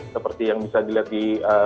seperti yang bisa dilihat di